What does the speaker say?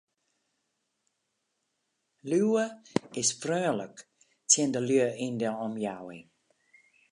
Liuwe is freonlik tsjin de lju yn de omjouwing.